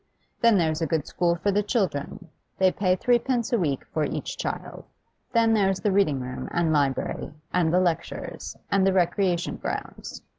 Then there's a good school for the children; they pay threepence a week for each child. Then there's the reading room and library, and the lectures, and the recreation grounds.